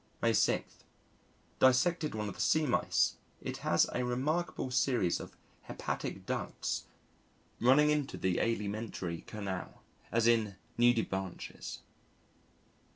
May 6. Dissected one of the Sea Mice. It has a remarkable series of hepatic ducts running into the alimentary canal as in Nudibranchs....